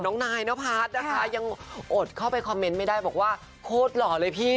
โดยเข้าไปคอมเม้นไม่ได้บอกว่าโคตรหล่อเลยพี่